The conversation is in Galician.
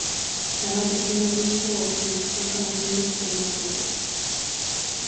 Chama a atención o risco ao que se enfrontan os nenos por unha foto.